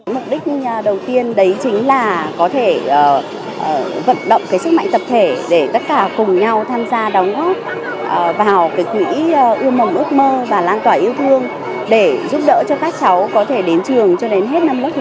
mục đích đầu tiên đấy chính là có thể vận động sức mạnh tập thể để tất cả cùng nhau tham gia đóng góp vào quỹ ươm mầm ước mơ và lan tỏa yêu thương để giúp đỡ cho các cháu có thể đến trường cho đến hết năm lớp một mươi